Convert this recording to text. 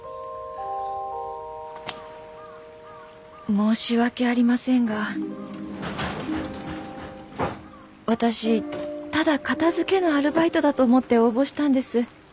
申し訳ありませんが私ただ片づけのアルバイトだと思って応募したんです。